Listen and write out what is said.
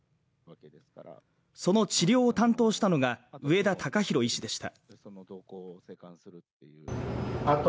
その治療を担当したのが上田敬博医師でした。